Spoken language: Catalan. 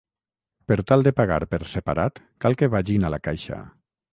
Per tal de pagar per separat cal que vagin a la caixa.